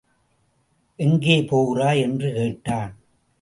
எங்கே போகிறாய்? என்று கேட்டான்!